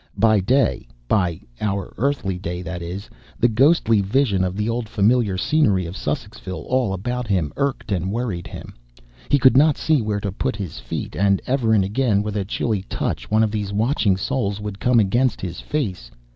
By day by our earthly day, that is the ghostly vision of the old familiar scenery of Sussexville, all about him, irked and worried him. He could not see where to put his feet, and ever and again with a chilly touch one of these Watching Souls would come against his face.